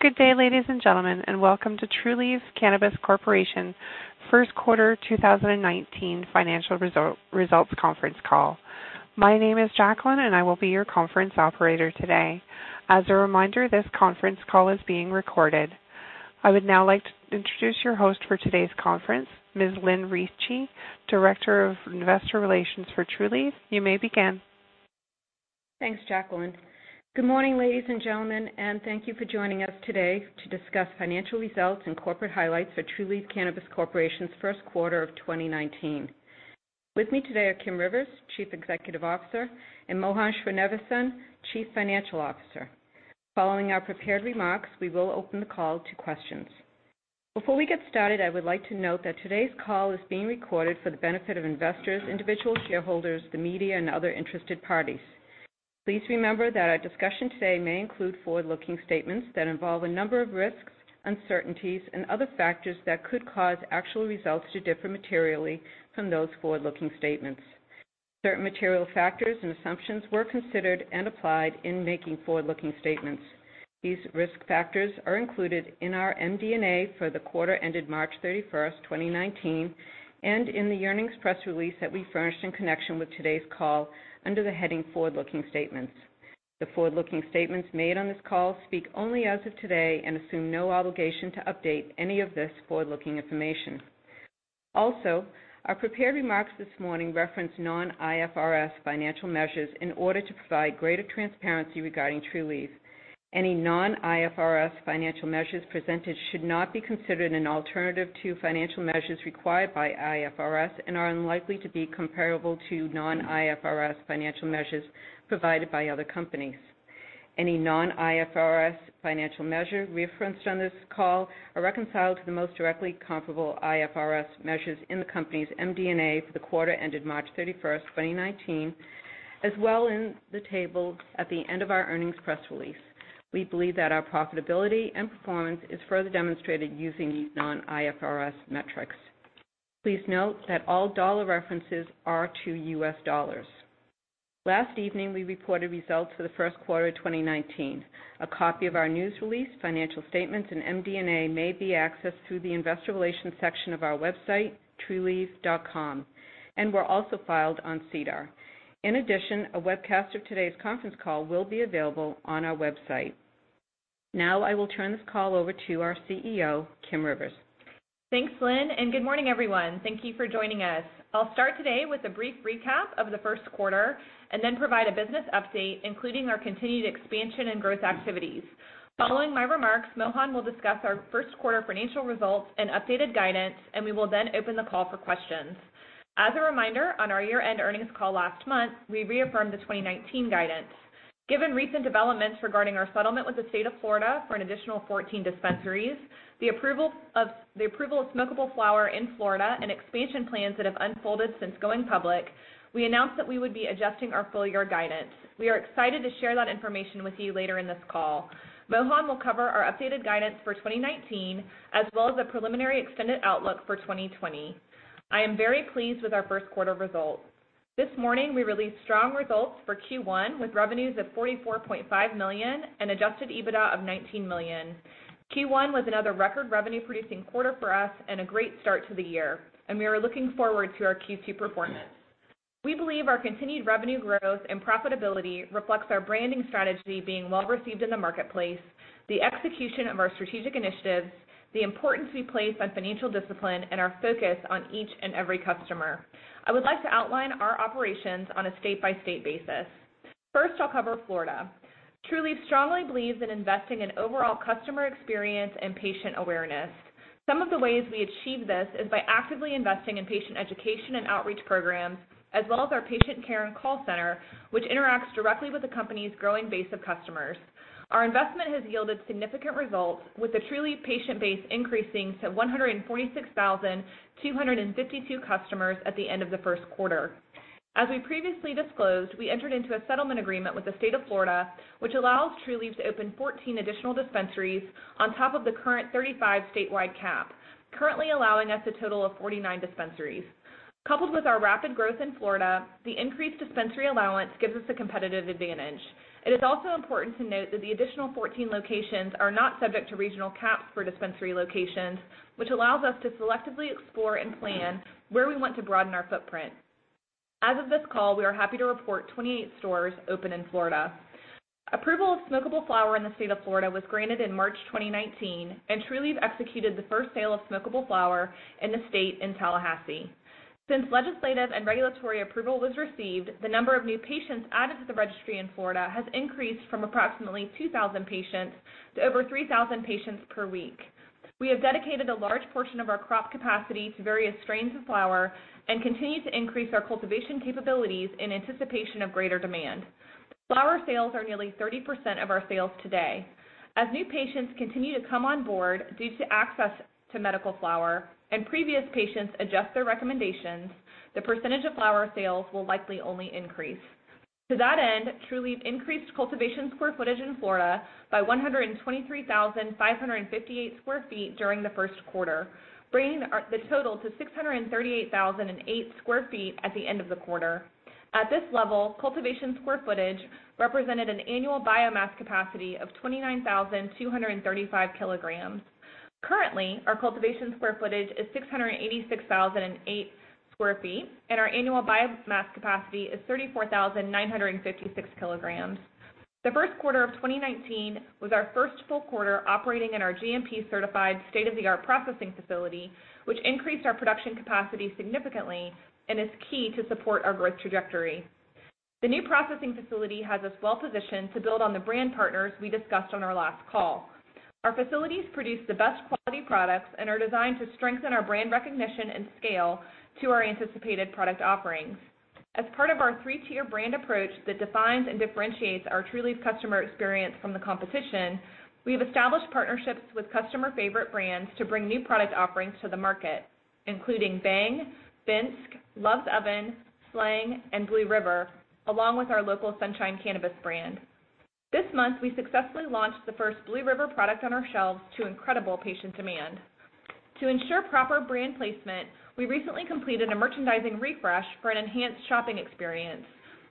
Good day, ladies and gentlemen, and welcome to Trulieve Cannabis Corp. First Quarter 2019 Financial Results Conference Call. My name is Jacqueline, and I will be your conference operator today. As a reminder, this conference call is being recorded. I would now like to introduce your host for today's conference, Ms. Lynn Ricci, Director of Investor Relations for Trulieve. You may begin. Thanks, Jacqueline. Good morning, ladies and gentlemen, and thank you for joining us today to discuss financial results and corporate highlights for Trulieve Cannabis Corp.'s first quarter of 2019. With me today are Kim Rivers, Chief Executive Officer, and Mohan Srinivasan, Chief Financial Officer. Following our prepared remarks, we will open the call to questions. Before we get started, I would like to note that today's call is being recorded for the benefit of investors, individual shareholders, the media, and other interested parties. Please remember that our discussion today may include forward-looking statements that involve a number of risks, uncertainties, and other factors that could cause actual results to differ materially from those forward-looking statements. Certain material factors and assumptions were considered and applied in making forward-looking statements. These risk factors are included in our MD&A for the quarter ended March 31st, 2019, and in the earnings press release that we furnished in connection with today's call under the heading Forward-Looking Statements. The forward-looking statements made on this call speak only as of today and assume no obligation to update any of this forward-looking information. Our prepared remarks this morning reference non-IFRS financial measures in order to provide greater transparency regarding Trulieve. Any non-IFRS financial measures presented should not be considered an alternative to financial measures required by IFRS and are unlikely to be comparable to non-IFRS financial measures provided by other companies. Any non-IFRS financial measure referenced on this call are reconciled to the most directly comparable IFRS measures in the company's MD&A for the quarter ended March 31st, 2019, as well in the table at the end of our earnings press release. We believe that our profitability and performance is further demonstrated using these non-IFRS metrics. Please note that all dollar references are to U.S. dollars. Last evening, we reported results for the first quarter of 2019. A copy of our news release, financial statements, and MD&A may be accessed through the investor relations section of our website, trulieve.com, and were also filed on SEDAR. A webcast of today's conference call will be available on our website. I will turn this call over to our CEO, Kim Rivers. Thanks, Lynn, and good morning, everyone. Thank you for joining us. I'll start today with a brief recap of the first quarter and then provide a business update, including our continued expansion and growth activities. Following my remarks, Mohan will discuss our first quarter financial results and updated guidance, and we will then open the call for questions. As a reminder, on our year-end earnings call last month, we reaffirmed the 2019 guidance. Given recent developments regarding our settlement with the state of Florida for an additional 14 dispensaries, the approval of smokable flower in Florida, and expansion plans that have unfolded since going public, we announced that we would be adjusting our full-year guidance. We are excited to share that information with you later in this call. Mohan will cover our updated guidance for 2019 as well as a preliminary extended outlook for 2020. I am very pleased with our first quarter results. This morning, we released strong results for Q1, with revenues of $44.5 million and adjusted EBITDA of $19 million. Q1 was another record revenue-producing quarter for us and a great start to the year, we are looking forward to our Q2 performance. We believe our continued revenue growth and profitability reflects our branding strategy being well-received in the marketplace, the execution of our strategic initiatives, the importance we place on financial discipline, and our focus on each and every customer. I would like to outline our operations on a state-by-state basis. First, I'll cover Florida. Trulieve strongly believes in investing in overall customer experience and patient awareness. Some of the ways we achieve this is by actively investing in patient education and outreach programs, as well as our patient care and call center, which interacts directly with the company's growing base of customers. Our investment has yielded significant results, with the Trulieve patient base increasing to 146,252 customers at the end of the first quarter. As we previously disclosed, we entered into a settlement agreement with the state of Florida, which allows Trulieve to open 14 additional dispensaries on top of the current 35 statewide cap, currently allowing us a total of 49 dispensaries. Coupled with our rapid growth in Florida, the increased dispensary allowance gives us a competitive advantage. It is also important to note that the additional 14 locations are not subject to regional caps for dispensary locations, which allows us to selectively explore and plan where we want to broaden our footprint. As of this call, we are happy to report 28 stores open in Florida. Approval of smokable flower in the state of Florida was granted in March 2019, Trulieve executed the first sale of smokable flower in the state in Tallahassee. Since legislative and regulatory approval was received, the number of new patients added to the registry in Florida has increased from approximately 2,000 patients to over 3,000 patients per week. We have dedicated a large portion of our crop capacity to various strains of flower and continue to increase our cultivation capabilities in anticipation of greater demand. Flower sales are nearly 30% of our sales today. As new patients continue to come on board due to access to medical flower and previous patients adjust their recommendations, the percentage of flower sales will likely only increase. To that end, Trulieve increased cultivation square footage in Florida by 123,558 square feet during the first quarter, bringing the total to 638,008 square feet at the end of the quarter. At this level, cultivation square footage represented an annual biomass capacity of 29,235 kilograms. Currently, our cultivation square footage is 686,008 square feet, and our annual biomass capacity is 34,956 kilograms. The first quarter of 2019 was our first full quarter operating in our GMP-certified state-of-the-art processing facility, which increased our production capacity significantly and is key to support our growth trajectory. The new processing facility has us well-positioned to build on the brand partners we discussed on our last call. Our facilities produce the best quality products and are designed to strengthen our brand recognition and scale to our anticipated product offerings. As part of our 3-tier brand approach that defines and differentiates our Trulieve customer experience from the competition, we have established partnerships with customer favorite brands to bring new product offerings to the market, including Bhang, Binske, Love's Oven, SLANG, and Blue River, along with our local Sunshine Cannabis brand. This month, we successfully launched the first Blue River product on our shelves to incredible patient demand. To ensure proper brand placement, we recently completed a merchandising refresh for an enhanced shopping experience.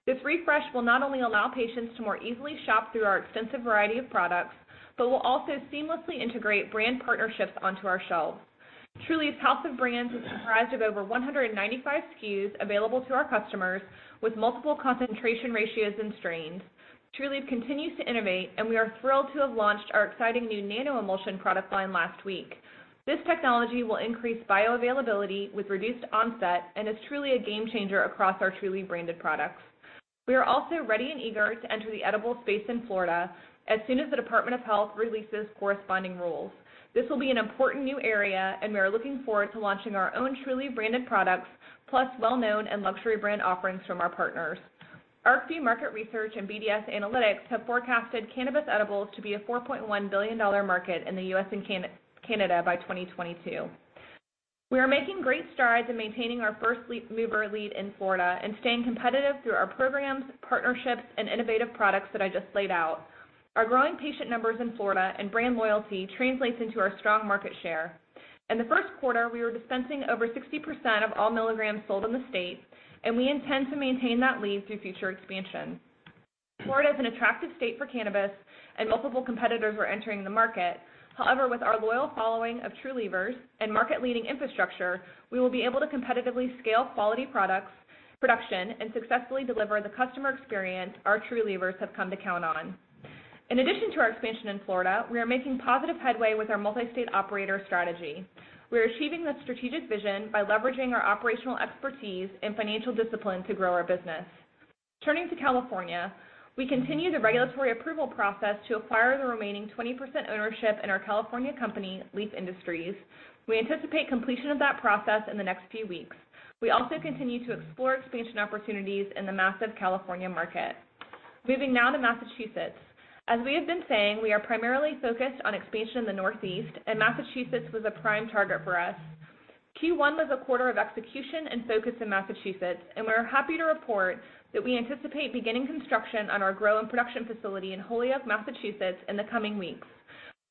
This refresh will not only allow patients to more easily shop through our extensive variety of products, but will also seamlessly integrate brand partnerships onto our shelves. Trulieve's house of brands is comprised of over 195 SKUs available to our customers with multiple concentration ratios and strains. Trulieve continues to innovate, and we are thrilled to have launched our exciting new nano-emulsion product line last week. This technology will increase bioavailability with reduced onset and is truly a game changer across our Trulieve branded products. We are also ready and eager to enter the edibles space in Florida as soon as the Department of Health releases corresponding rules. This will be an important new area, and we are looking forward to launching our own Trulieve branded products, plus well-known and luxury brand offerings from our partners. ArcView Market Research and BDS Analytics have forecasted cannabis edibles to be a $4.1 billion market in the U.S. and Canada by 2022. We are making great strides in maintaining our first-mover lead in Florida and staying competitive through our programs, partnerships, and innovative products that I just laid out. Our growing patient numbers in Florida and brand loyalty translates into our strong market share. In the first quarter, we were dispensing over 60% of all milligrams sold in the state, and we intend to maintain that lead through future expansion. Florida is an attractive state for cannabis, and multiple competitors are entering the market. However, with our loyal following of Trulievers and market-leading infrastructure, we will be able to competitively scale quality production and successfully deliver the customer experience our Trulievers have come to count on. In addition to our expansion in Florida, we are making positive headway with our multi-state operator strategy. We are achieving this strategic vision by leveraging our operational expertise and financial discipline to grow our business. Turning to California, we continue the regulatory approval process to acquire the remaining 20% ownership in our California company, Leef Industries. We anticipate completion of that process in the next few weeks. We also continue to explore expansion opportunities in the massive California market. Moving now to Massachusetts. As we have been saying, we are primarily focused on expansion in the Northeast, and Massachusetts was a prime target for us. Q1 was a quarter of execution and focus in Massachusetts, and we are happy to report that we anticipate beginning construction on our grow and production facility in Holyoke, Massachusetts, in the coming weeks.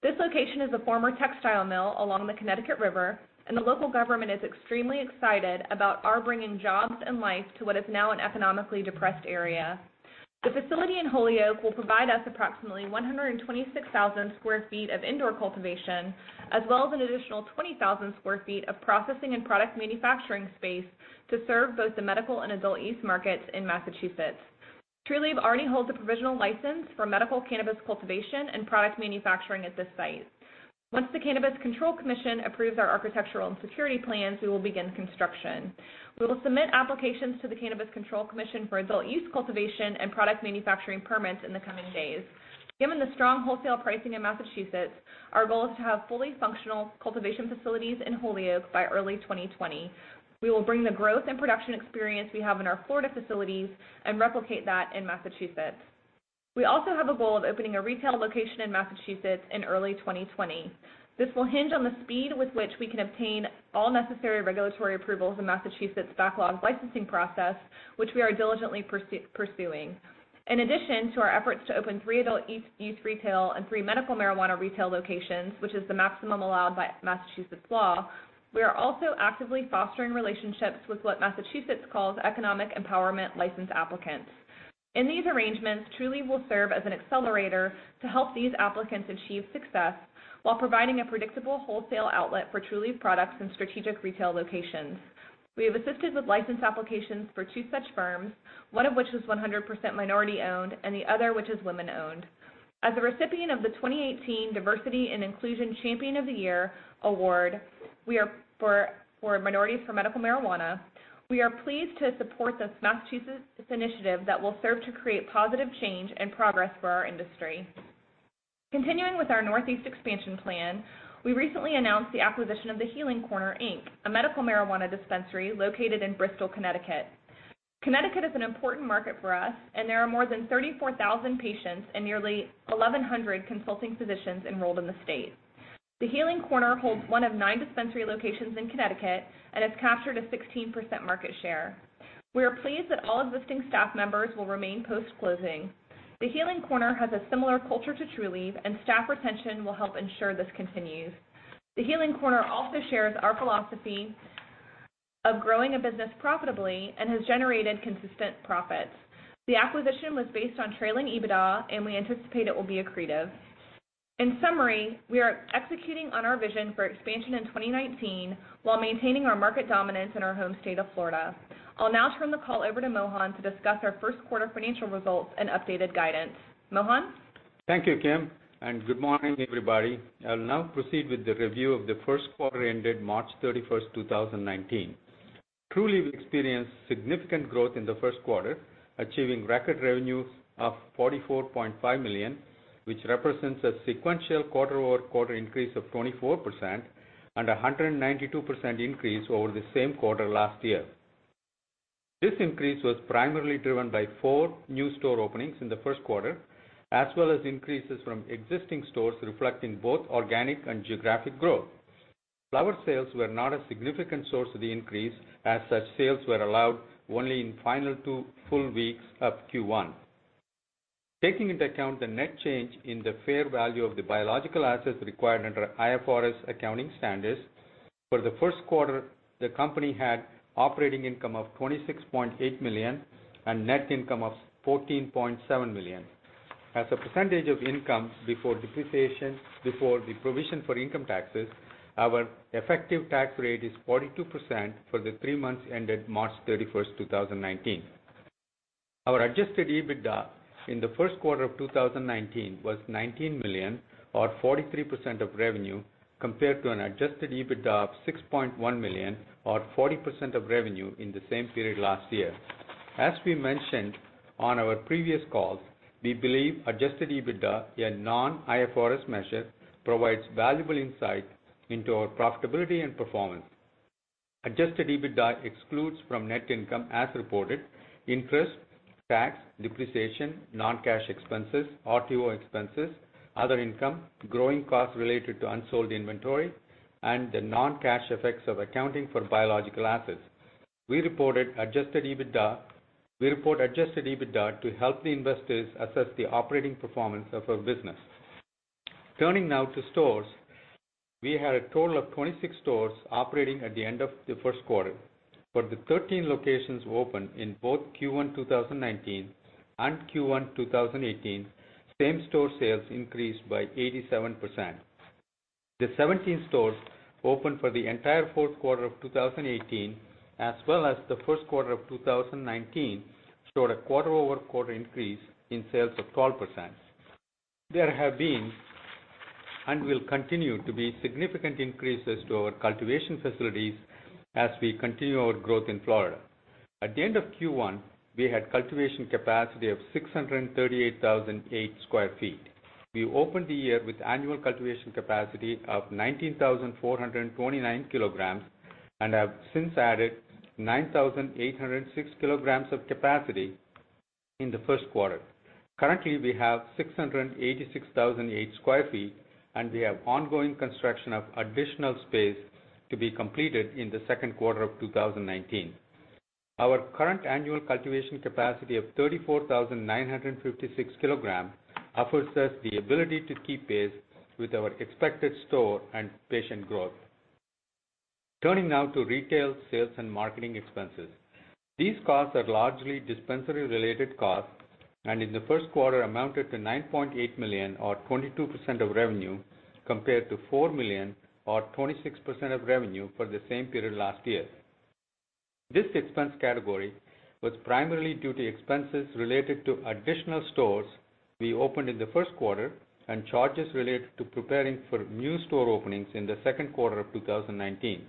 This location is a former textile mill along the Connecticut River, and the local government is extremely excited about our bringing jobs and life to what is now an economically depressed area. The facility in Holyoke will provide us approximately 126,000 sq ft of indoor cultivation, as well as an additional 20,000 sq ft of processing and product manufacturing space to serve both the medical and adult-use markets in Massachusetts. Trulieve already holds a provisional license for medical cannabis cultivation and product manufacturing at this site. Once the Cannabis Control Commission approves our architectural and security plans, we will begin construction. We will submit applications to the Cannabis Control Commission for adult-use cultivation and product manufacturing permits in the coming days. Given the strong wholesale pricing in Massachusetts, our goal is to have fully functional cultivation facilities in Holyoke by early 2020. We will bring the growth and production experience we have in our Florida facilities and replicate that in Massachusetts. We also have a goal of opening a retail location in Massachusetts in early 2020. This will hinge on the speed with which we can obtain all necessary regulatory approvals in Massachusetts' backlogged licensing process, which we are diligently pursuing. In addition to our efforts to open three adult-use retail and three medical marijuana retail locations, which is the maximum allowed by Massachusetts law, we are also actively fostering relationships with what Massachusetts calls economic empowerment license applicants. In these arrangements, Trulieve will serve as an accelerator to help these applicants achieve success while providing a predictable wholesale outlet for Trulieve products in strategic retail locations. We have assisted with license applications for two such firms, one of which is 100% minority-owned and the other which is women-owned. As a recipient of the 2018 Diversity and Inclusion Champion of the Year award for Minorities for Medical Marijuana, we are pleased to support this Massachusetts initiative that will serve to create positive change and progress for our industry. Continuing with our Northeast expansion plan, we recently announced the acquisition of The Healing Corner, Inc., a medical marijuana dispensary located in Bristol, Connecticut. Connecticut is an important market for us, and there are more than 34,000 patients and nearly 1,100 consulting physicians enrolled in the state. The Healing Corner holds one of nine dispensary locations in Connecticut and has captured a 16% market share. We are pleased that all existing staff members will remain post-closing. The Healing Corner has a similar culture to Trulieve, and staff retention will help ensure this continues. The Healing Corner also shares our philosophy of growing a business profitably and has generated consistent profits. The acquisition was based on trailing EBITDA, and we anticipate it will be accretive. In summary, we are executing on our vision for expansion in 2019 while maintaining our market dominance in our home state of Florida. I'll now turn the call over to Mohan to discuss our first quarter financial results and updated guidance. Mohan? Thank you, Kim. Good morning, everybody. I'll now proceed with the review of the first quarter ended March 31st, 2019. Trulieve experienced significant growth in the first quarter, achieving record revenues of $44.5 million, which represents a sequential quarter-over-quarter increase of 24% and 192% increase over the same quarter last year. This increase was primarily driven by four new store openings in the first quarter, as well as increases from existing stores reflecting both organic and geographic growth. Flower sales were not a significant source of the increase, as such, sales were allowed only in final two full weeks of Q1. Taking into account the net change in the fair value of the biological assets required under IFRS accounting standards, for the first quarter, the company had operating income of $26.8 million and net income of $14.7 million. As a percentage of income before depreciation, before the provision for income taxes, our effective tax rate is 42% for the three months ended March 31st, 2019. Our adjusted EBITDA in the first quarter of 2019 was $19 million or 43% of revenue compared to an adjusted EBITDA of $6.1 million or 40% of revenue in the same period last year. As we mentioned on our previous calls, we believe adjusted EBITDA, a non-IFRS measure, provides valuable insight into our profitability and performance. Adjusted EBITDA excludes from net income as reported, interest, tax, depreciation, non-cash expenses, RTO expenses, other income, growing costs related to unsold inventory, and the non-cash effects of accounting for biological assets. We report adjusted EBITDA to help the investors assess the operating performance of our business. Turning now to stores. We had a total of 26 stores operating at the end of the first quarter. For the 13 locations opened in both Q1 2019 and Q1 2018, same-store sales increased by 87%. The 17 stores opened for the entire fourth quarter of 2018 as well as the first quarter of 2019, showed a quarter-over-quarter increase in sales of 12%. There have been and will continue to be significant increases to our cultivation facilities as we continue our growth in Florida. At the end of Q1, we had cultivation capacity of 638,008 sq ft. We opened the year with annual cultivation capacity of 19,429 kilograms and have since added 9,806 kilograms of capacity in the first quarter. Currently, we have 686,008 sq ft, and we have ongoing construction of additional space to be completed in the second quarter of 2019. Our current annual cultivation capacity of 34,956 kilograms offers us the ability to keep pace with our expected store and patient growth. Turning now to retail sales and marketing expenses. These costs are largely dispensary-related costs and in the first quarter amounted to $9.8 million or 22% of revenue, compared to $4 million or 26% of revenue for the same period last year. This expense category was primarily due to expenses related to additional stores we opened in the first quarter and charges related to preparing for new store openings in the second quarter of 2019.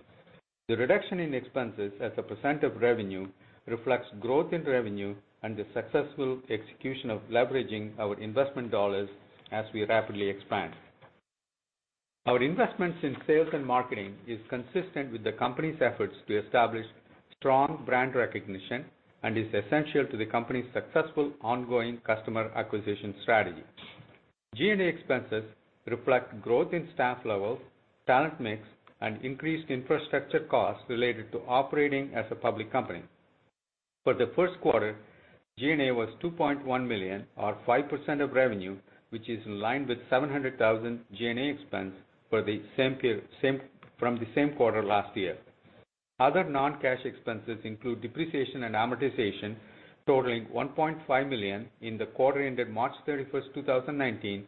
The reduction in expenses as a percent of revenue reflects growth in revenue and the successful execution of leveraging our investment dollars as we rapidly expand. Our investments in sales and marketing is consistent with the company's efforts to establish strong brand recognition and is essential to the company's successful ongoing customer acquisition strategy. G&A expenses reflect growth in staff levels, talent mix, and increased infrastructure costs related to operating as a public company. For the first quarter, G&A was $2.1 million or 5% of revenue, which is in line with $700,000 G&A expense from the same quarter last year. Other non-cash expenses include depreciation and amortization, totaling $1.5 million in the quarter ended March 31st, 2019,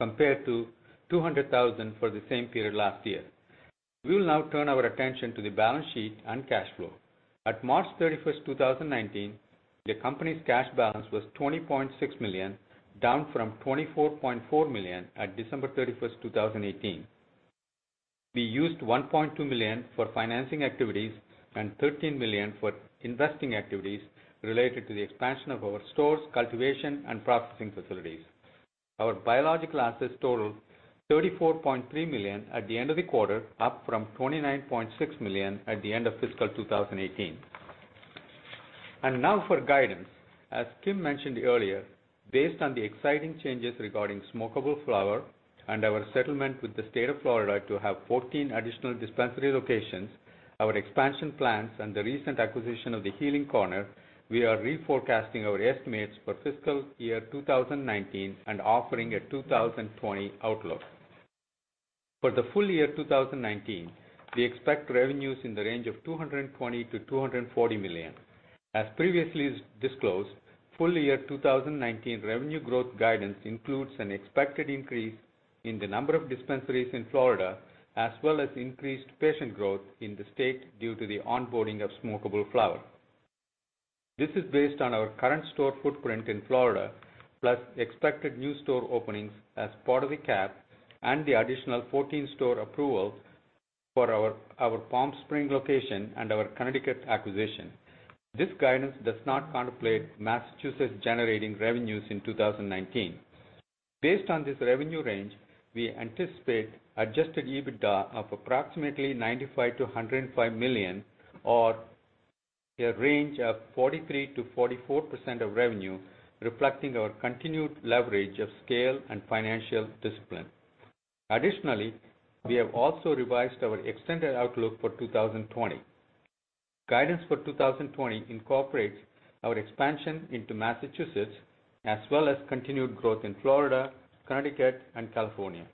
compared to $200,000 for the same period last year. We will now turn our attention to the balance sheet and cash flow. At March 31st, 2019, the company's cash balance was $20.6 million, down from $24.4 million at December 31st, 2018. We used $1.2 million for financing activities and $13 million for investing activities related to the expansion of our stores, cultivation, and processing facilities. Our biological assets totaled $34.3 million at the end of the quarter, up from $29.6 million at the end of fiscal 2018. Now for guidance. As Kim mentioned earlier, based on the exciting changes regarding smokable flower and our settlement with the state of Florida to have 14 additional dispensary locations, our expansion plans and the recent acquisition of The Healing Corner, we are reforecasting our estimates for fiscal year 2019 and offering a 2020 outlook. For the full year 2019, we expect revenues in the range of $220 million-$240 million. As previously disclosed, full year 2019 revenue growth guidance includes an expected increase in the number of dispensaries in Florida, as well as increased patient growth in the state due to the onboarding of smokable flower. This is based on our current store footprint in Florida, plus expected new store openings as part of the cap and the additional 14 store approvals for our Palm Springs location and our Connecticut acquisition. This guidance does not contemplate Massachusetts generating revenues in 2019. Based on this revenue range, we anticipate adjusted EBITDA of approximately $95 million-$105 million, or a range of 43%-44% of revenue, reflecting our continued leverage of scale and financial discipline. Additionally, we have also revised our extended outlook for 2020. Guidance for 2020 incorporates our expansion into Massachusetts, as well as continued growth in Florida, Connecticut, and California.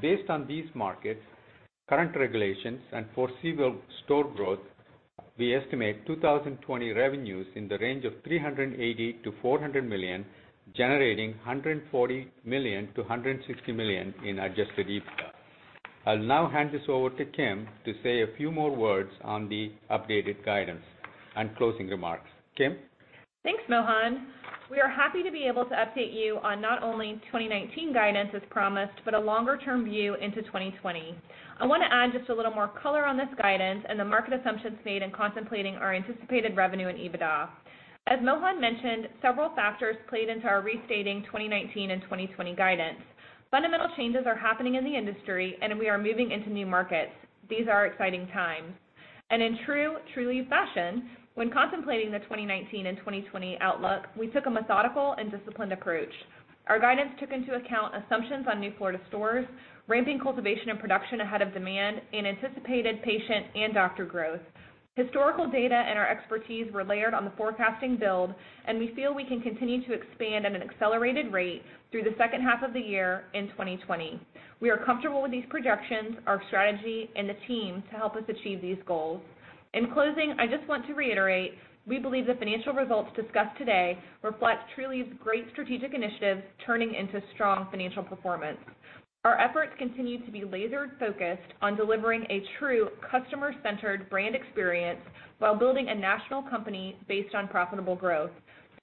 Based on these markets, current regulations, and foreseeable store growth, we estimate 2020 revenues in the range of $380 million-$400 million, generating $140 million-$160 million in adjusted EBITDA. I'll now hand this over to Kim to say a few more words on the updated guidance and closing remarks. Kim? Thanks, Mohan. We are happy to be able to update you on not only 2019 guidance as promised, but a longer-term view into 2020. I want to add just a little more color on this guidance and the market assumptions made in contemplating our anticipated revenue in EBITDA. As Mohan mentioned, several factors played into our restating 2019 and 2020 guidance. Fundamental changes are happening in the industry, we are moving into new markets. These are exciting times. In true Trulieve fashion, when contemplating the 2019 and 2020 outlook, we took a methodical and disciplined approach. Our guidance took into account assumptions on new Florida stores, ramping cultivation and production ahead of demand, and anticipated patient and doctor growth. Historical data and our expertise were layered on the forecasting build, we feel we can continue to expand at an accelerated rate through the second half of the year in 2020. We are comfortable with these projections, our strategy, and the team to help us achieve these goals. In closing, I just want to reiterate, we believe the financial results discussed today reflect Trulieve's great strategic initiatives turning into strong financial performance. Our efforts continue to be lasered focused on delivering a true customer-centered brand experience while building a national company based on profitable growth.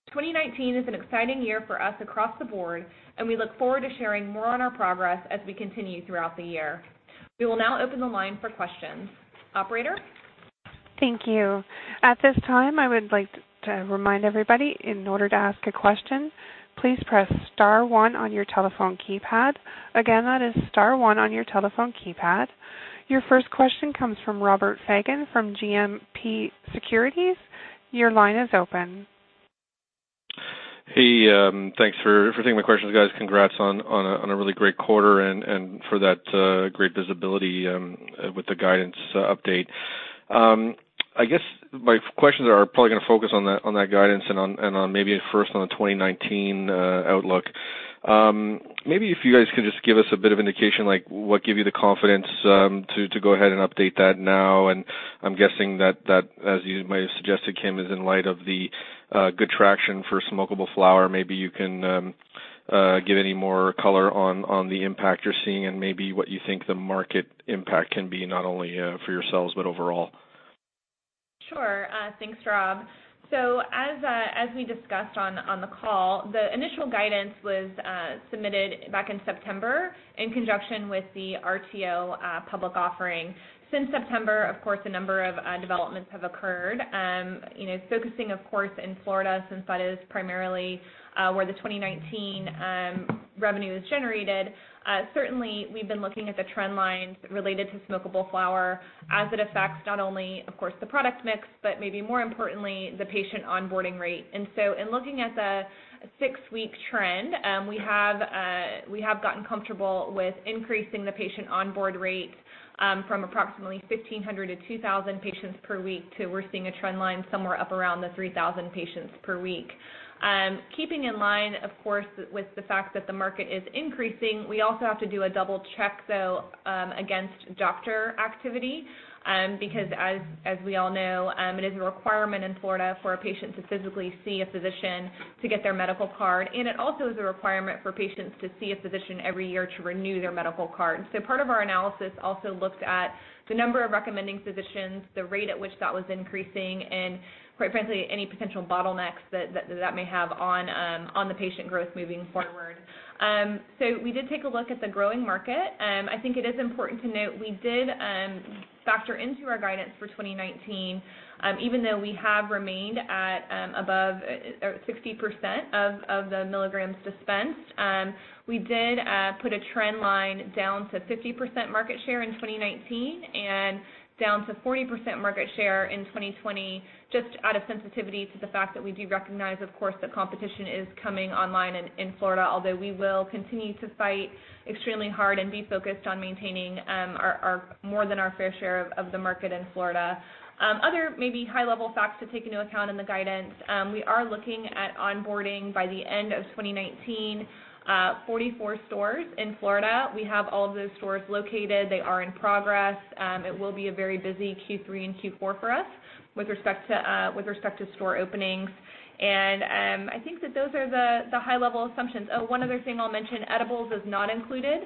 2019 is an exciting year for us across the board, we look forward to sharing more on our progress as we continue throughout the year. We will now open the line for questions. Operator? Thank you. At this time, I would like to remind everybody, in order to ask a question, please press star one on your telephone keypad. Again, that is star one on your telephone keypad. Your first question comes from Robert Fagan from GMP Securities. Your line is open. Hey, thanks for taking my questions, guys. Congrats on a really great quarter and for that great visibility with the guidance update. I guess my questions are probably going to focus on that guidance and on maybe first on the 2019 outlook. Maybe if you guys could just give us a bit of indication, like what give you the confidence to go ahead and update that now, and I'm guessing that, as you might have suggested, Kim, is in light of the good traction for smokable flower. Maybe you can give any more color on the impact you're seeing and maybe what you think the market impact can be not only for yourselves, but overall. Thanks, Rob. As we discussed on the call, the initial guidance was submitted back in September in conjunction with the RTO public offering. Since September, of course, a number of developments have occurred. Focusing of course, in Florida, since that is primarily where the 2019 revenue is generated. Certainly, we've been looking at the trend lines related to smokable flower as it affects not only, of course, the product mix, but maybe more importantly, the patient onboarding rate. In looking at the six-week trend, we have gotten comfortable with increasing the patient onboard rate from approximately 1,500-2,000 patients per week to we're seeing a trend line somewhere up around the 3,000 patients per week. Keeping in line, of course, with the fact that the market is increasing, we also have to do a double check, though, against doctor activity, because as we all know, it is a requirement in Florida for a patient to physically see a physician to get their medical card. It also is a requirement for patients to see a physician every year to renew their medical card. Part of our analysis also looked at the number of recommending physicians, the rate at which that was increasing, and quite frankly, any potential bottlenecks that that may have on the patient growth moving forward. We did take a look at the growing market. I think it is important to note we did factor into our guidance for 2019, even though we have remained at above 60% of the milligrams dispensed. We did put a trend line down to 50% market share in 2019 and down to 40% market share in 2020, just out of sensitivity to the fact that we do recognize, of course, that competition is coming online in Florida, although we will continue to fight extremely hard and be focused on maintaining more than our fair share of the market in Florida. Other maybe high-level facts to take into account in the guidance, we are looking at onboarding by the end of 2019, 44 stores in Florida. We have all of those stores located. They are in progress. It will be a very busy Q3 and Q4 for us with respect to store openings. I think that those are the high-level assumptions. Oh, one other thing I'll mention, edibles is not included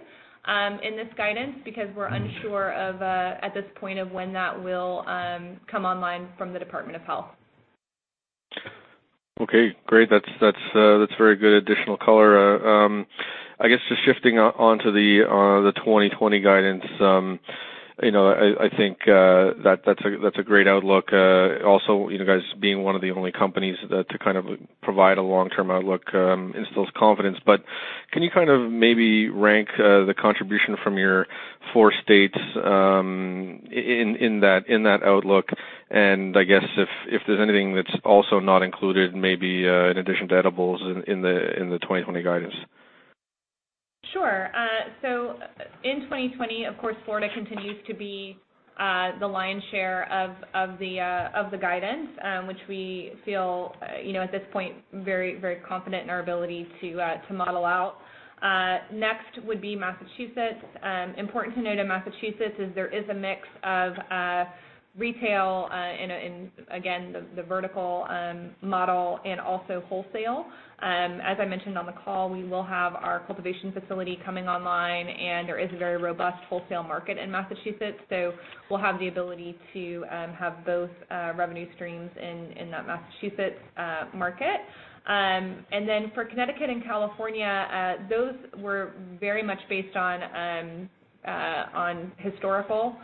in this guidance because we're unsure at this point of when that will come online from the Department of Health. Okay, great. That's very good additional color. I guess just shifting onto the 2020 guidance. I think that's a great outlook. Also, you guys being one of the only companies to provide a long-term outlook instills confidence. Can you maybe rank the contribution from your four states in that outlook and, I guess, if there's anything that's also not included, maybe in addition to edibles, in the 2020 guidance? Sure. In 2020, of course, Florida continues to be the lion's share of the guidance, which we feel, at this point, very confident in our ability to model out. Next would be Massachusetts. Important to note in Massachusetts is there is a mix of retail in, again, the vertical model and also wholesale. As I mentioned on the call, we will have our cultivation facility coming online, and there is a very robust wholesale market in Massachusetts, so we'll have the ability to have both revenue streams in that Massachusetts market. For Connecticut and California, those were very much based on historical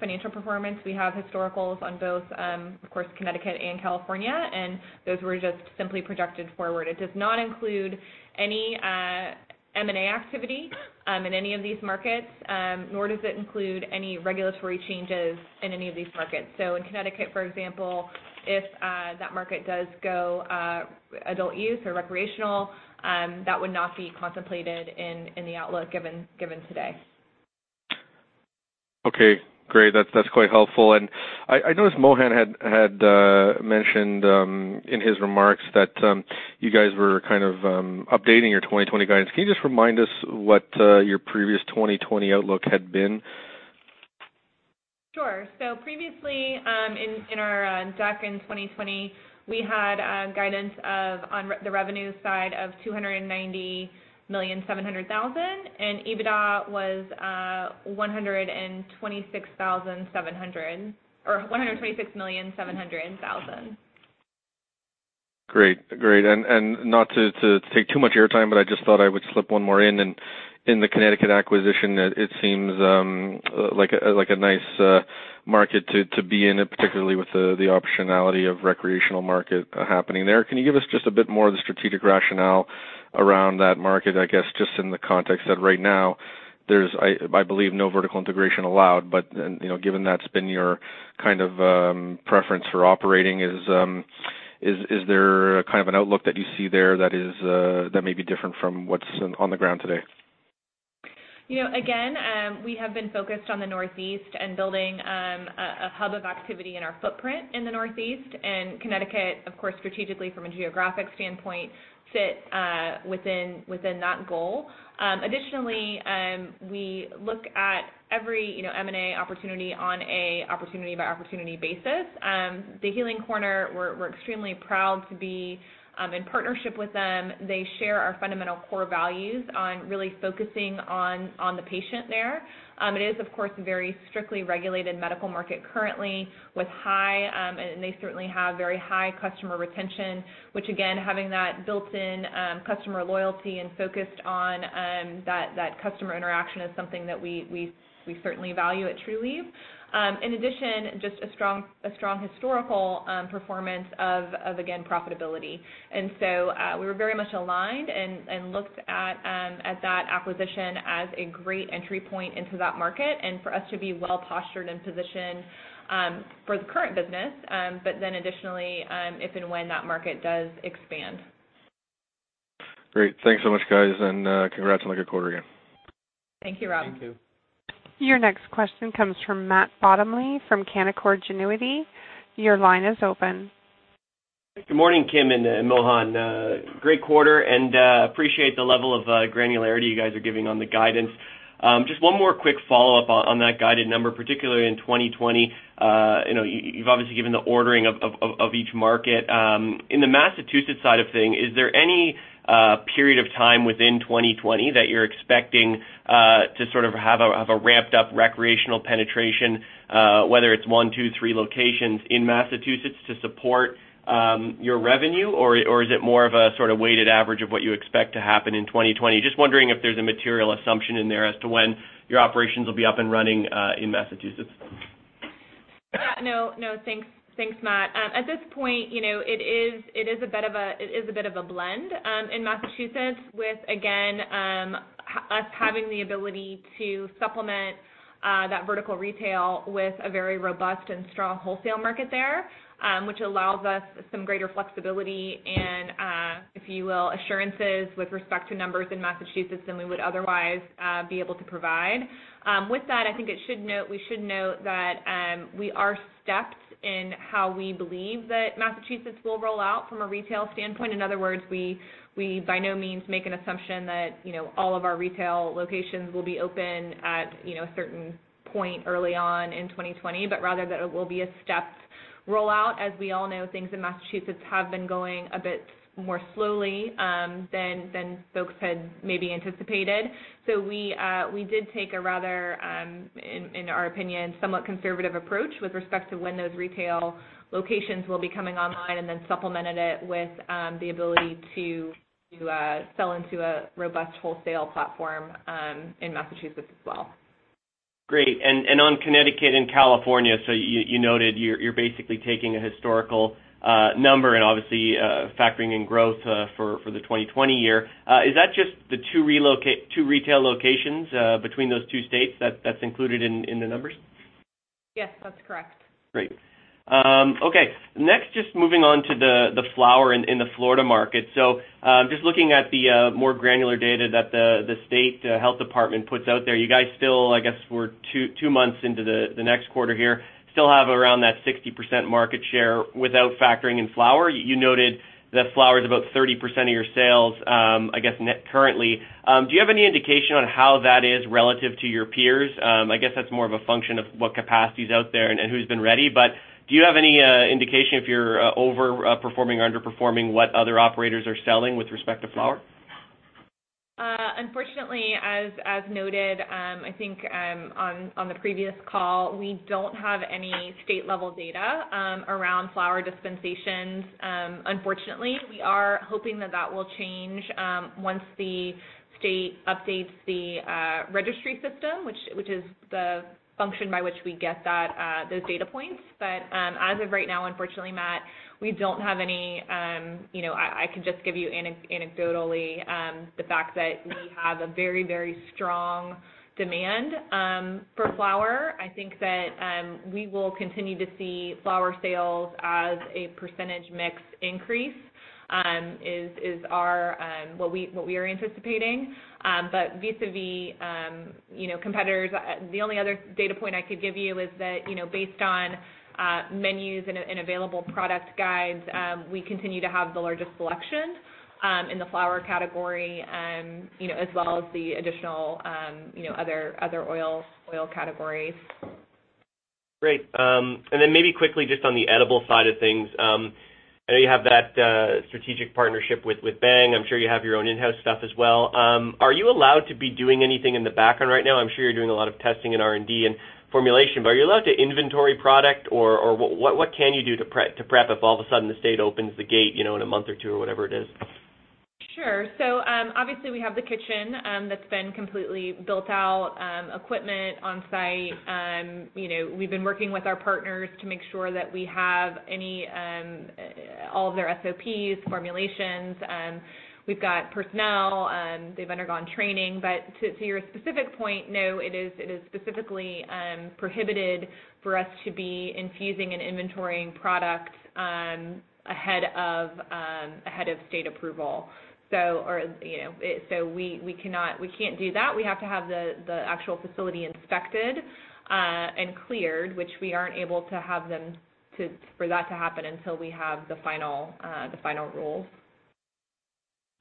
financial performance. We have historicals on both, of course, Connecticut and California, and those were just simply projected forward. It does not include any M&A activity in any of these markets, nor does it include any regulatory changes in any of these markets. In Connecticut, for example, if that market does go adult use or recreational, that would not be contemplated in the outlook given today. Okay, great. That's quite helpful. I noticed Mohan had mentioned in his remarks that you guys were updating your 2020 guidance. Can you just remind us what your previous 2020 outlook had been? Previously, in our deck in 2020, we had guidance on the revenue side of $290,700,000. EBITDA was $126,700,000. Great. Not to take too much of your time, but I just thought I would slip one more in. In the Connecticut acquisition, it seems like a nice market to be in, particularly with the optionality of recreational market happening there. Can you give us just a bit more of the strategic rationale around that market, I guess, just in the context that right now there's, I believe, no vertical integration allowed, given that's been your preference for operating, is there an outlook that you see there that may be different from what's on the ground today? Again, we have been focused on the Northeast, building a hub of activity in our footprint in the Northeast, Connecticut, of course, strategically from a geographic standpoint, sits within that goal. Additionally, we look at every M&A opportunity on an opportunity-by-opportunity basis. The Healing Corner, we're extremely proud to be in partnership with them. They share our fundamental core values on really focusing on the patient there. It is, of course, a very strictly regulated medical market currently, they certainly have very high customer retention, which again, having that built-in customer loyalty and focused on that customer interaction is something that we certainly value at Trulieve. In addition, just a strong historical performance of, again, profitability. We were very much aligned, looked at that acquisition as a great entry point into that market, for us to be well-postured and positioned for the current business, additionally, if and when that market does expand. Great. Thanks so much, guys, and congrats on a good quarter again. Thank you, Robert. Thank you. Your next question comes from Matt Bottomley from Canaccord Genuity. Your line is open. Good morning, Kim and Mohan. Great quarter. Appreciate the level of granularity you guys are giving on the guidance. Just one more quick follow-up on that guided number, particularly in 2020. You've obviously given the ordering of each market. In the Massachusetts side of things, is there any period of time within 2020 that you're expecting to have a ramped-up recreational penetration, whether it is one, two, three locations in Massachusetts to support your revenue, or is it more of a weighted average of what you expect to happen in 2020? Just wondering if there is a material assumption in there as to when your operations will be up and running in Massachusetts. Yeah. No, thanks, Matt. At this point, it is a bit of a blend in Massachusetts with, again, us having the ability to supplement that vertical retail with a very robust and strong wholesale market there, which allows us some greater flexibility and, if you will, assurances with respect to numbers in Massachusetts than we would otherwise be able to provide. With that, I think we should note that we are stepped in how we believe that Massachusetts will roll out from a retail standpoint. In other words, we by no means make an assumption that all of our retail locations will be open at a certain point early on in 2020. Rather, that it will be a stepped rollout. As we all know, things in Massachusetts have been going a bit more slowly than folks had maybe anticipated. We did take a rather, in our opinion, somewhat conservative approach with respect to when those retail locations will be coming online, and then supplemented it with the ability to sell into a robust wholesale platform in Massachusetts as well. Great. On Connecticut and California, you noted you are basically taking a historical number and obviously factoring in growth for the 2020 year. Is that just the two retail locations between those two states that is included in the numbers? Yes, that's correct. Great. Okay. Just moving on to the flower in the Florida market. Just looking at the more granular data that the state Department of Health puts out there, you guys still, I guess, we're two months into the next quarter here, still have around that 60% market share without factoring in flower. You noted that flower is about 30% of your sales, I guess, currently. Do you have any indication on how that is relative to your peers? I guess that's more of a function of what capacity's out there and who's been ready, but do you have any indication if you're over-performing or under-performing what other operators are selling with respect to flower? Unfortunately, as noted, I think, on the previous call, we don't have any state-level data around flower dispensations, unfortunately. We are hoping that that will change once the state updates the registry system, which is the function by which we get those data points. As of right now, unfortunately, Matt, we don't have any. I can just give you anecdotally the fact that we have a very strong demand for flower. I think that we will continue to see flower sales as a percentage mix increase, is what we are anticipating. Vis-a-vis competitors, the only other data point I could give you is that based on menus and available product guides, we continue to have the largest selection in the flower category, as well as the additional other oil categories. Great. Then maybe quickly just on the edible side of things, I know you have that strategic partnership with Bhang. I'm sure you have your own in-house stuff as well. Are you allowed to be doing anything in the background right now? I'm sure you're doing a lot of testing in R&D and formulation, but are you allowed to inventory product, or what can you do to prep if all of a sudden the state opens the gate in a month or two or whatever it is? Obviously, we have the kitchen that's been completely built out, equipment on-site. We've been working with our partners to make sure that we have all of their SOPs, formulations. We've got personnel. They've undergone training. To your specific point, no, it is specifically prohibited for us to be infusing and inventorying product ahead of state approval. We can't do that. We have to have the actual facility inspected and cleared, which we aren't able to have for that to happen until we have the final rule.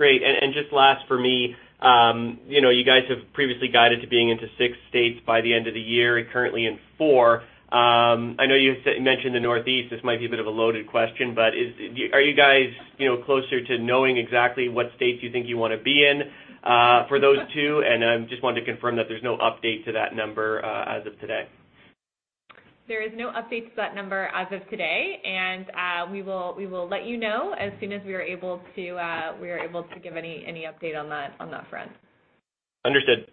Great. Just last for me, you guys have previously guided to being into 6 states by the end of the year and currently in 4. I know you mentioned the Northeast. This might be a bit of a loaded question, are you guys closer to knowing exactly what states you think you want to be in for those two? I just wanted to confirm that there's no update to that number as of today. There is no update to that number as of today. We will let you know as soon as we are able to give any update on that front. Understood.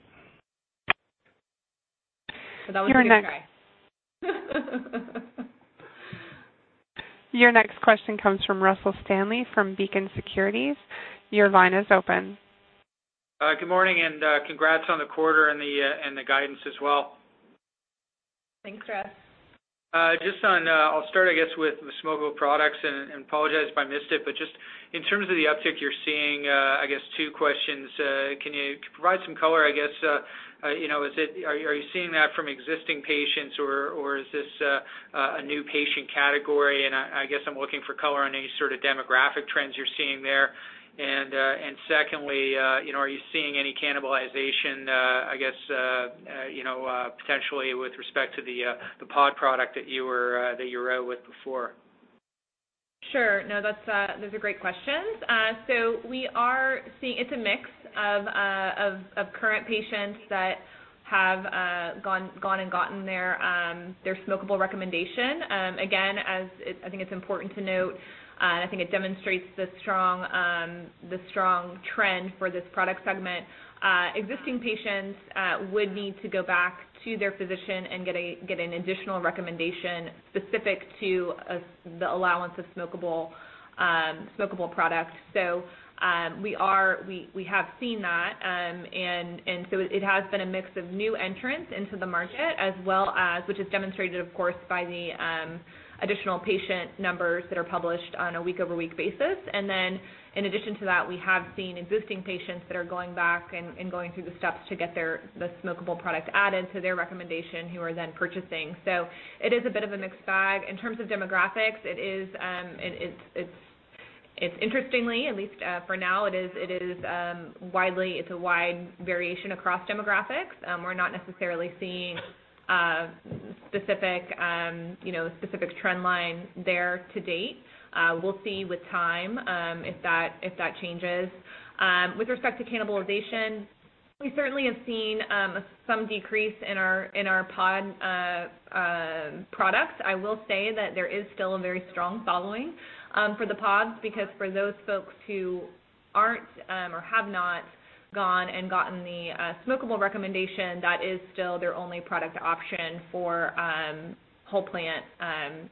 That was a good try. Your next question comes from Russell Stanley from Beacon Securities. Your line is open. Good morning, congrats on the quarter and the guidance as well. Thanks, Russel. I'll start, I guess, with the smokable products, apologize if I missed it, but just in terms of the uptick you're seeing, I guess two questions. Can you provide some color, I guess, are you seeing that from existing patients, or is this a new patient category? I guess I'm looking for color on any sort of demographic trends you're seeing there. Secondly, are you seeing any cannibalization, I guess, potentially with respect to the pod product that you were out with before? Sure. No, those are great questions. It's a mix of current patients that have gone and gotten their smokable recommendation. Again, as I think it's important to note, and I think it demonstrates the strong trend for this product segment, existing patients would need to go back to their physician and get an additional recommendation specific to the allowance of smokable products. We have seen that. It has been a mix of new entrants into the market, which is demonstrated of course, by the additional patient numbers that are published on a week-over-week basis. In addition to that, we have seen existing patients that are going back and going through the steps to get the smokable product added to their recommendation who are then purchasing. It is a bit of a mixed bag. In terms of demographics, interestingly, at least for now, it's a wide variation across demographics. We're not necessarily seeing specific trend lines there to date. We'll see with time, if that changes. With respect to cannibalization, we certainly have seen some decrease in our pod product. I will say that there is still a very strong following for the pods because for those folks who aren't, or have not gone and gotten the smokable recommendation, that is still their only product option for whole plant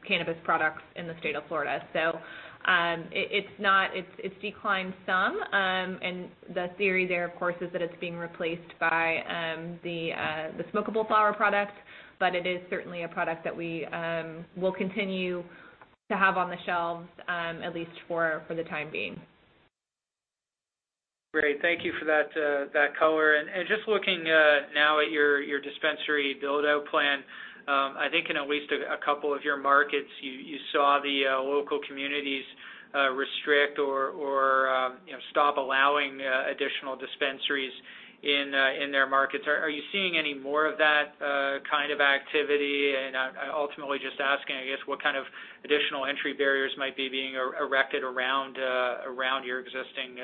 cannabis products in the state of Florida. It's declined some, and the theory there, of course, is that it's being replaced by the smokable flower product, but it is certainly a product that we will continue to have on the shelves, at least for the time being. Great. Thank you for that color. Just looking now at your dispensary build-out plan, I think in at least a couple of your markets, you saw the local communities restrict or stop allowing additional dispensaries in their markets. Are you seeing any more of that kind of activity? Ultimately just asking, I guess, what kind of additional entry barriers might be being erected around your existing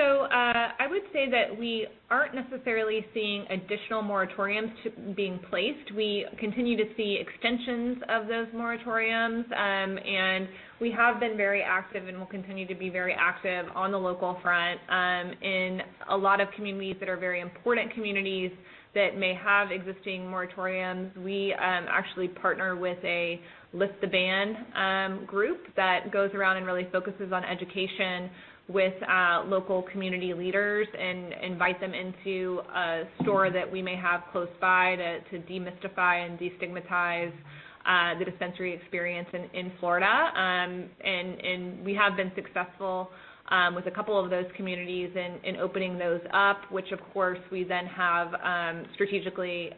build-out? I would say that we aren't necessarily seeing additional moratoriums being placed. We continue to see extensions of those moratoriums. We have been very active and will continue to be very active on the local front in a lot of communities that are very important communities that may have existing moratoriums. We actually partner with a Lift the Ban group that goes around and really focuses on education with local community leaders and invite them into a store that we may have close by to demystify and destigmatize the dispensary experience in Florida. We have been successful with a couple of those communities in opening those up, which of course, we then have strategically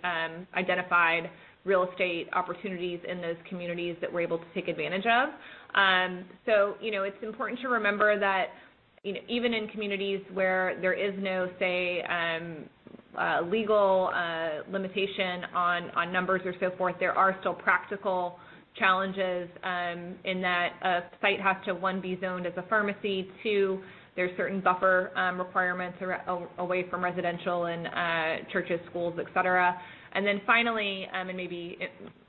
identified real estate opportunities in those communities that we're able to take advantage of. It's important to remember that even in communities where there is no, say, legal limitation on numbers or so forth, there are still practical challenges, in that a site has to, 1, be zoned as a pharmacy, 2, there's certain buffer requirements away from residential and churches, schools, et cetera. Finally, and maybe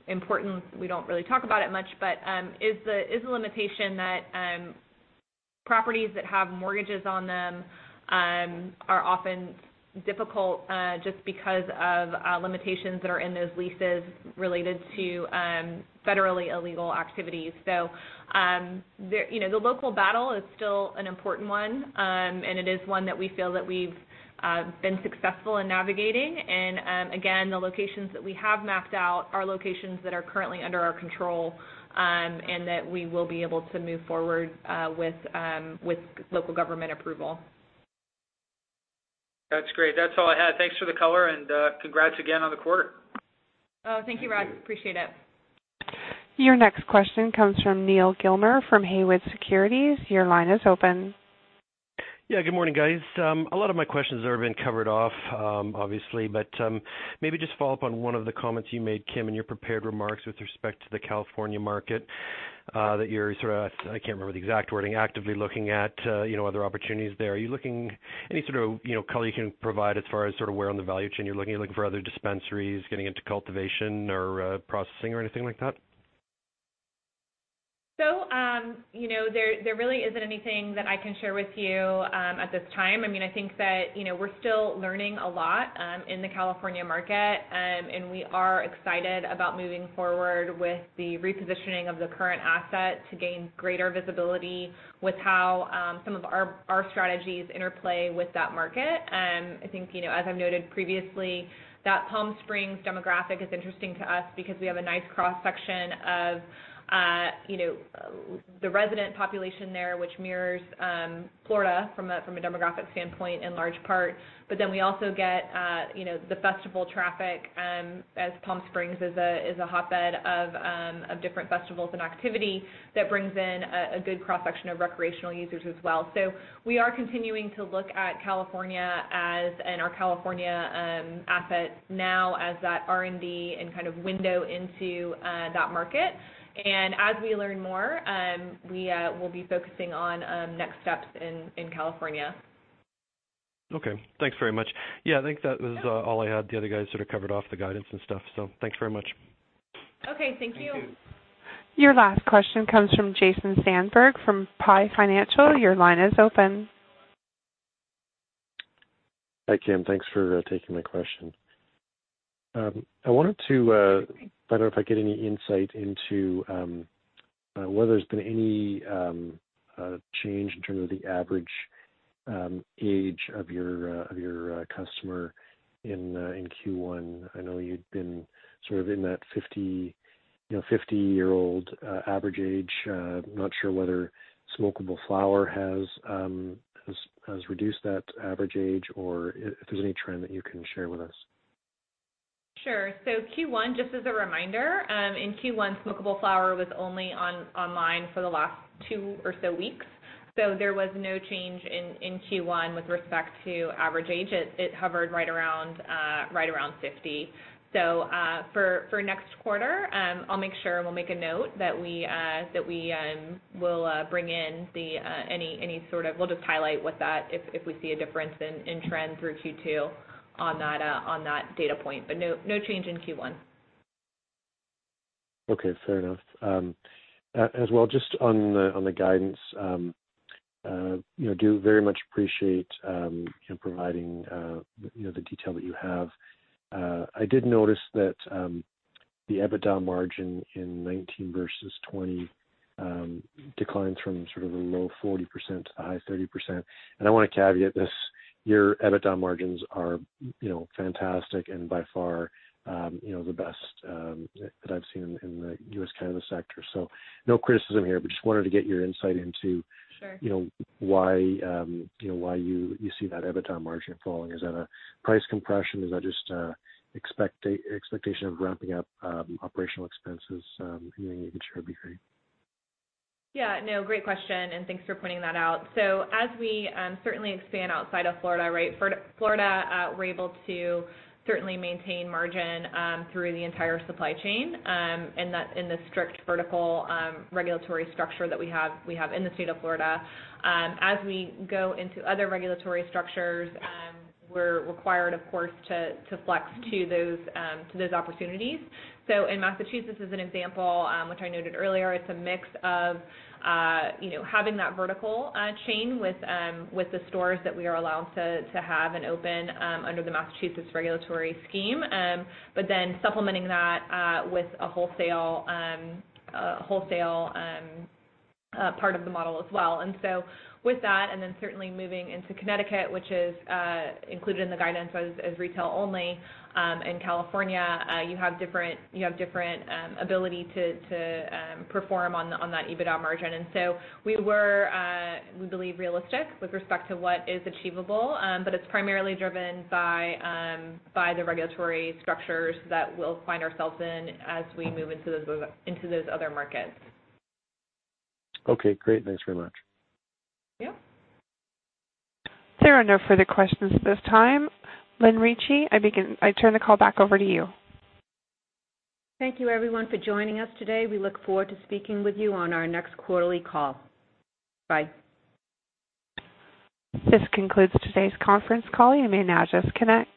important, we don't really talk about it much, but is the limitation that properties that have mortgages on them are often difficult, just because of limitations that are in those leases related to federally illegal activities. The local battle is still an important one, and it is one that we feel that we've been successful in navigating. Again, the locations that we have mapped out are locations that are currently under our control, and that we will be able to move forward with local government approval. That's great. That's all I had. Thanks for the color and congrats again on the quarter. Thank you, Russ. Appreciate it. Your next question comes from Neal Gilmer from Haywood Securities. Your line is open. Good morning, guys. A lot of my questions have been covered off, obviously, but maybe just follow up on one of the comments you made, Kim, in your prepared remarks with respect to the California market, that you're, I can't remember the exact wording, actively looking at other opportunities there. Any sort of color you can provide as far as where on the value chain you're looking, are you looking for other dispensaries, getting into cultivation or processing or anything like that? There really isn't anything that I can share with you at this time. I think that we're still learning a lot in the California market. We are excited about moving forward with the repositioning of the current asset to gain greater visibility with how some of our strategies interplay with that market. I think, as I've noted previously, that Palm Springs demographic is interesting to us because we have a nice cross-section of the resident population there, which mirrors Florida from a demographic standpoint in large part. We also get the festival traffic, as Palm Springs is a hotbed of different festivals and activity that brings in a good cross-section of recreational users as well. We are continuing to look at California and our California assets now as that R&D and kind of window into that market. As we learn more, we will be focusing on next steps in California. Okay. Thanks very much. I think that was all I had. The other guys sort of covered off the guidance and stuff, thanks very much. Okay, thank you. Thank you. Your last question comes from Jason Zandberg from PI Financial. Your line is open. Hi, Kim. Thanks for taking my question. I wanted to find out if I could get any insight into whether there's been any change in term of the average age of your customer in Q1. I know you'd been sort of in that 50-year-old average age. Not sure whether smokable flower has reduced that average age, or if there's any trend that you can share with us. Sure. Q1, just as a reminder, in Q1, smokable flower was only online for the last two or so weeks. There was no change in Q1 with respect to average age. It hovered right around 50. For next quarter, I'll make sure and we'll make a note that we will bring in. We'll just highlight with that if we see a difference in trend through Q2 on that data point, but no change in Q1. Okay, fair enough. As well, just on the guidance, do very much appreciate you providing the detail that you have. I did notice that the EBITDA margin in 2019 versus 2020 declines from sort of a low 40% to a high 30%. I want to caveat this. Your EBITDA margins are fantastic and by far, the best that I've seen in the U.S.-Canada sector. No criticism here, but just wanted to get your insight into- Sure why you see that EBITDA margin falling. Is that a price compression? Is that just expectation of ramping up operational expenses, meaning you can charge a fee? Yeah, no, great question, and thanks for pointing that out. As we certainly expand outside of Florida, right? Florida, we're able to certainly maintain margin through the entire supply chain, in the strict vertical regulatory structure that we have in the state of Florida. As we go into other regulatory structures, we're required, of course, to flex to those opportunities. In Massachusetts as an example, which I noted earlier, it's a mix of having that vertical chain with the stores that we are allowed to have and open under the Massachusetts regulatory scheme, supplementing that with a wholesale part of the model as well. With that, and then certainly moving into Connecticut, which is included in the guidance as retail only, in California, you have different ability to perform on that EBITDA margin. We were, we believe, realistic with respect to what is achievable. It's primarily driven by the regulatory structures that we'll find ourselves in as we move into those other markets. Okay, great. Thanks very much. Yeah. There are no further questions at this time. Lynn Ricci, I turn the call back over to you. Thank you, everyone, for joining us today. We look forward to speaking with you on our next quarterly call. Bye. This concludes today's conference call. You may now disconnect.